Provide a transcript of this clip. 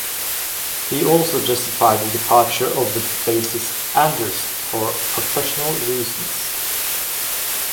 He also justified the departure of the bassist Anders for professional reasons.